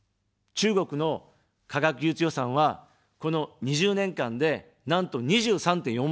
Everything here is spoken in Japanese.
中国の科学技術予算は、この２０年間で、なんと２３．４倍。